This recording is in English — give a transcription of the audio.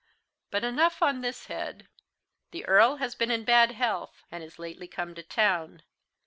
But enough on this head. The Earl has been in bad health, and is lately come to town.